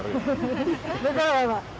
betul apa pak